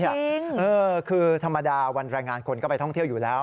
จริงคือธรรมดาวันแรงงานคนก็ไปท่องเที่ยวอยู่แล้ว